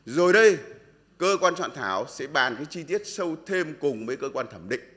rồi đây cơ quan soạn thảo sẽ bàn cái chi tiết sâu thêm cùng với cơ quan thẩm định